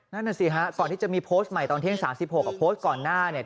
มันนั่นแสสี่ไฮก่อนที่จะมีโพสต์ใหม่ตอนเที่ยง๓๓แล้วกับโพสต์ก่อนหน้าอยี่